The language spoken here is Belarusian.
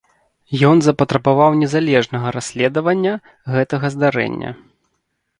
Ён запатрабаваў незалежнага расследавання гэтага здарэння.